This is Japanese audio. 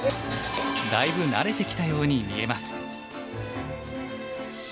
だいぶ慣れてきたように見えます。